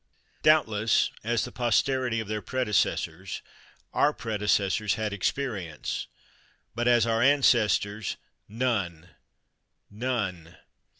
Doubtless, as the posterity of their predecessors our predecessors had experience, but, as our ancestors, none none.